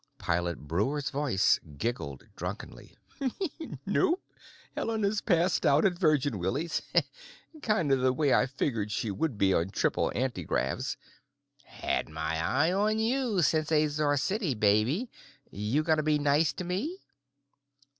Pilot Breuer's voice giggled drunkenly, "Nope. Helena's passed out at Virgin Willie's, kind of the way I figured she would be on triple antigravs. Had my eye on you since Azor City, baby. You gonna be nice to me?"